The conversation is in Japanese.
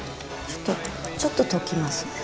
ちょっと溶きます。